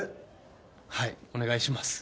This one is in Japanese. はいお願いします。